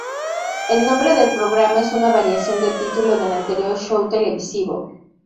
El nombre del programa es una variación del título del anterior show televisivo.